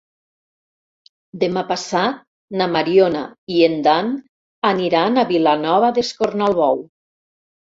Demà passat na Mariona i en Dan aniran a Vilanova d'Escornalbou.